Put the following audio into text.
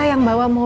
tidak ada apa apa